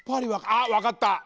あっわかった！